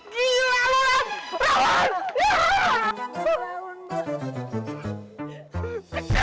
tabrakannya itu dimana